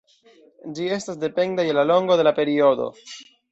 Ĝi estas dependa je la longo de la periodo.